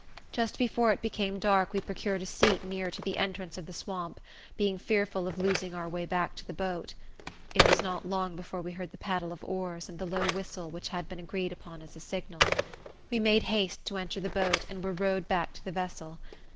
Just before it became dark we procured a seat nearer to the entrance of the swamp, being fearful of losing our way back to the boat. It was not long before we heard the paddle of oars, and the low whistle, which had been agreed upon as a signal. We made haste to enter the boat, and were rowed back to the vessel.